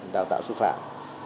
đào tạo sư phạm